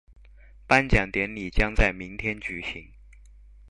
頒獎典禮將在明天舉行